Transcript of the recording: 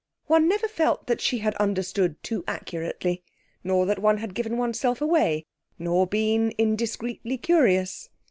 One never felt that she had understood too accurately, nor that one had given oneself away, nor been indiscreetly curious....